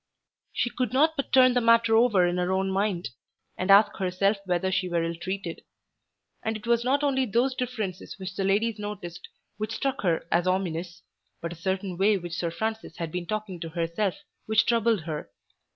She could not but turn the matter over in her own mind and ask herself whether she were ill treated. And it was not only those differences which the ladies noticed which struck her as ominous, but a certain way which Sir Francis had when talking to herself which troubled her.